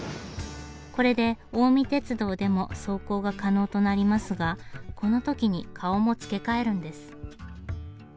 これで近江鉄道でも走行が可能となりますがこの時に顔も付けかえるんです。